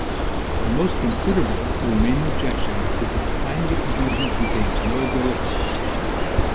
The most considerable of the remaining objections is that the plan of the convention contains no bill of rights.